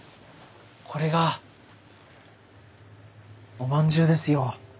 これがおまんじゅうですよ。